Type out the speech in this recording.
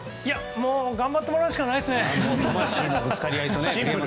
頑張ってもらうしかないですね。